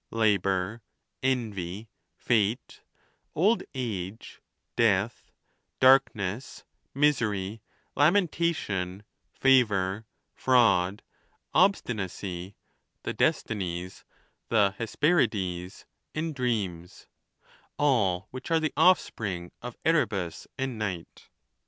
thus named: Love, Deceit, Feai , Labor, Envy, Fate, Old Age, Death, Darkness, Misery, Lamentation, Favor, Fraud, Obstinacy, the Destinies, the Hesperides, and Dreams ; all which are the offspring of Erebus and Night.